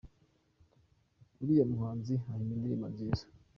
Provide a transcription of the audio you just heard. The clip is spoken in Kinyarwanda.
Uriya muhanzi ahimba indirimbo nziza.